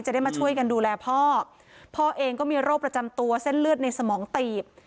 ได้มาช่วยกันดูแลพ่อพ่อเองก็มีโรคประจำตัวเส้นเลือดในสมองตีบ